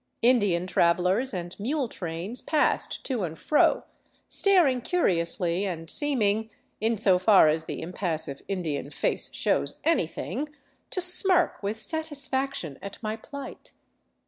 Indian travelers and mule trains passed to and fro, staring curiously and seeming, in so far as the impassive Indian face shows anything, to smirk with satisfaction at my plight.